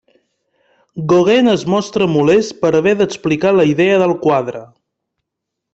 Gauguin es mostra molest per haver d'explicar la idea del quadre.